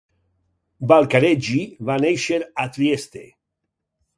Valcareggi va néixer a Trieste.